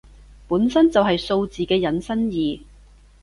本身就係數字嘅引申義